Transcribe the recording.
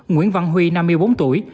nguyễn văn huy năm mươi bốn tuổi